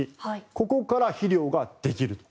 ここから肥料ができると。